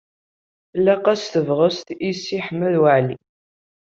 Tlaq-as tebɣest i Si Ḥmed Waɛli.